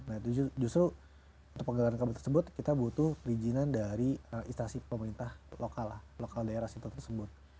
nah itu justru untuk penggelaran kabel tersebut kita butuh izinan dari istasi pemerintah lokal lah lokal daerah situ tersebut